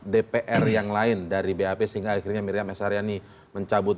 dpr yang lain dari bap sehingga akhirnya miriam s haryani mencabut